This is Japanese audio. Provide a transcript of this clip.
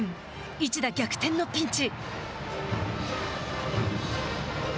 一打逆転のピンチ。